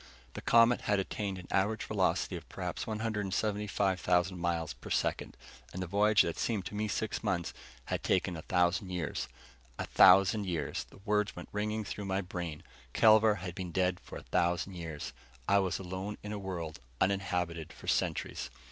The Comet had attained an average velocity of perhaps 175,000 miles per second, and the voyage that seemed to me six months had taken a thousand years. A thousand years! The words went ringing through my brain. Kelvar had been dead for a thousand years. I was alone in a world uninhabited for centuries.